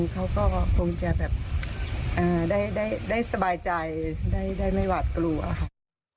เขาก็คงจะแบบได้สบายใจได้ไม่หวาดกลัวค่ะ